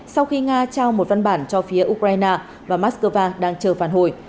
sau khi nga trao một văn bản cho phía ukraine và moscow đang chờ phản hồi